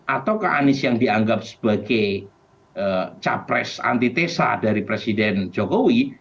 atau ke anies yang dianggap sebagai capres antitesa dari presiden jokowi